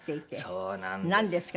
そうなんです。